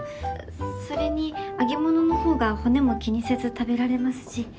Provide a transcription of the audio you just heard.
それに揚げ物の方が骨も気にせず食べられますし。